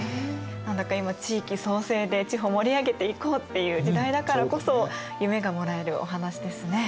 何だか今地域創生で地方盛り上げていこうっていう時代だからこそ夢がもらえるお話ですね。